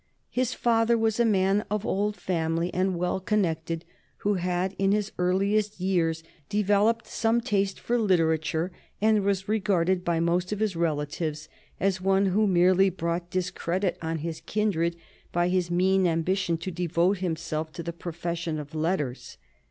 His father was a man of old family and well connected, who had in his earlier years developed some taste for literature, and was regarded by most of his relatives as one who merely brought discredit on his kindred by his mean ambition to devote himself to the profession of letters.